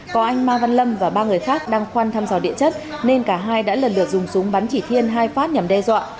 có anh mai văn lâm và ba người khác đang khoan thăm dò địa chất nên cả hai đã lần lượt dùng súng bắn chỉ thiên hai phát nhằm đe dọa